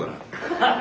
ハハハハ。